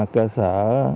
cơ sở một